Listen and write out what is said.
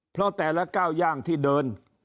เพราะแต่ละก้าวย่างที่เดิน